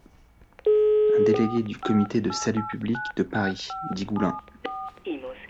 Un délégué du Comité de salut public de Paris, dit Goullin.